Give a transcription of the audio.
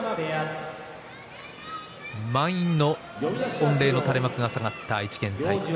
満員御礼の垂れ幕が下がった愛知県体育館。